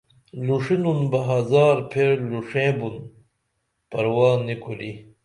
لُوݜنُن بہ ہزار پھیر لُوݜیں بُن پرواہ نی کُری